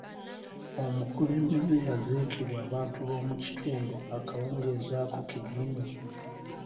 Omukulembeze yaziikibwa abantu b'omu kitundu akawungeezi ako ke nnyini.